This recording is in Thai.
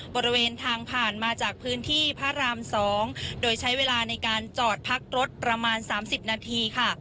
บริเวณทางผ่านมาจากพื้นที่พระราม๒โดยใช้เวลาในการจอดพักรถประมาณ๓๐นาทีค่ะ